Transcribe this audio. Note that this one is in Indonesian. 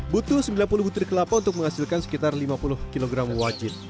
butuh sembilan puluh butir kelapa untuk menghasilkan sekitar lima puluh kg wajit